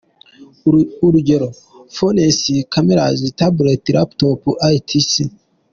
Urugero: “Phones, Camera, Tablets ,Laptops etc…”